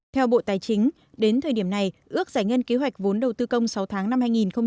theo bộ tài chính đến thời điểm này ước giải ngân kế hoạch vốn đầu tư công sáu tháng năm hai nghìn hai mươi